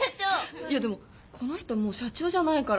いやでもこの人もう社長じゃないから。